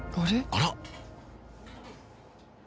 あら！